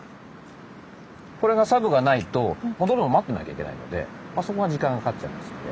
これがサブがないと戻るのを待ってなきゃいけないのでそこが時間がかかっちゃいますので。